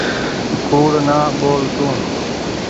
ڪوڙ نآ ٻول تو۔